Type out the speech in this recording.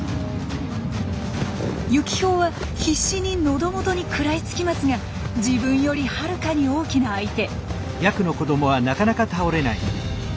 ユキヒョウは必死に喉元に食らいつきますが自分よりはるかに大きな相手。